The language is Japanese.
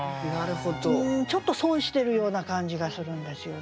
うんちょっと損してるような感じがするんですよね。